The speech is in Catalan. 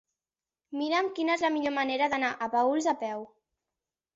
Mira'm quina és la millor manera d'anar a Paüls a peu.